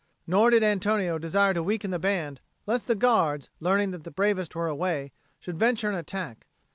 Nor did Antonio desire to weaken the band, lest the guards, learning that the bravest were away, should venture an attack.